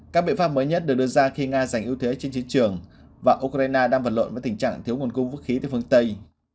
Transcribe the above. các biện pháp mới nhất được đưa ra khi nga giành ưu thế trên chiến trường và ukraine đang vật lộn với tình trạng thiếu nguồn cung vũ khí từ phương tây